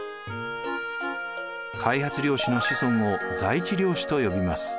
開発領主の子孫を在地領主と呼びます。